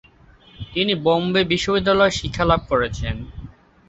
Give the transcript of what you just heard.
তিনি বোম্বে বিশ্ববিদ্যালয়ে শিক্ষালাভ করেছেন।